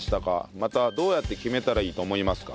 またどうやって決めたらいいと思いますか？